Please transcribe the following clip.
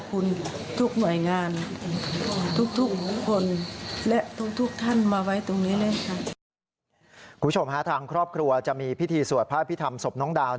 คุณผู้ชมฮะทางครอบครัวจะมีพิธีสวดพระพิธรรมศพน้องดาว